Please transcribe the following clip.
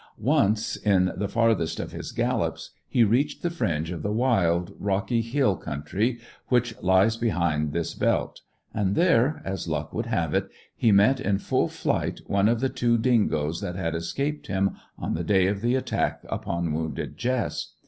Once, in the farthest of his gallops, he reached the fringe of the wild, rocky hill country which lies behind this belt; and there, as luck would have it, he met in full flight one of the two dingoes that had escaped him on the day of the attack upon wounded Jess.